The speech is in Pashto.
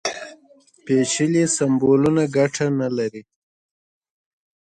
پېچلي سمبولونه ګټه نه لري.